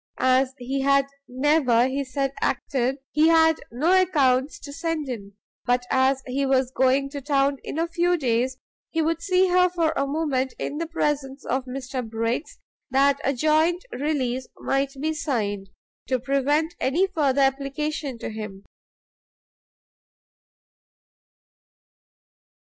As he had never, he said, acted, he had no accounts to send in; but as he was going to town in a few days, he would see her for a moment in the presence of Mr Briggs, that a joint release might be signed, to prevent any future application to him.